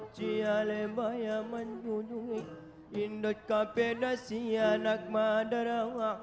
ciale bayaman jujungi indot kapedasi anak madara